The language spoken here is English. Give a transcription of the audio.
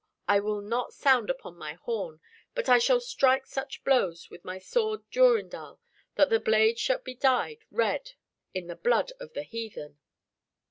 I will not sound upon my horn, but I shall strike such blows with my sword Durindal that the blade shall be dyed red in the blood of the heathen."